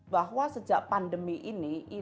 bahwa sejak pandemi ini